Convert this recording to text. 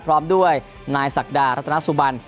พร้อมด้วยนายศักดารัตนสุบัน